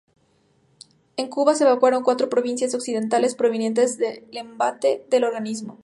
En Cuba se evacuaron cuatro provincias occidentales previendo el embate del organismo.